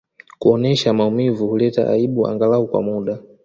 Kuonyesha maumivu huleta aibu angalau kwa muda